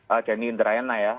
eee jani indrayana ya